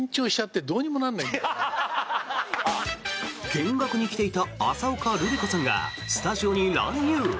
見学に来ていた浅丘ルリ子さんがスタジオに乱入！